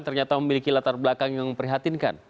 ternyata memiliki latar belakang yang memprihatinkan